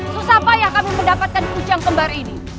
susah payah kami mendapatkan kujang kembar ini